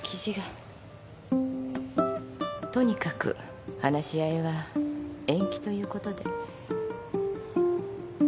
とにかく話し合いは延期ということで。